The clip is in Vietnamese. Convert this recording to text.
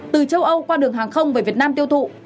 từ châu âu qua đường hàng không về việt nam tiêu thụ